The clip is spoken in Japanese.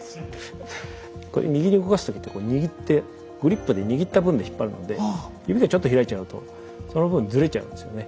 こう右に動かす時って握ってグリップで握った分で引っ張るので指がちょっと開いちゃうとその分ずれちゃうんですよね。